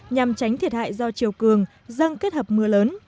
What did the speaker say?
nhằm tránh thiệt hại do triều cường dân kết hợp mưa lớn